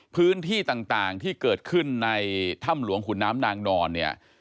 พื้นที่ต่างที่เกิดขึ้นในถ้ำหลวงขุนน้ำนางนอนเนี่ย